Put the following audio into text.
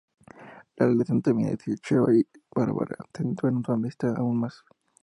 La relación termina y Sheba y Barbara acentúan su amistad aún más.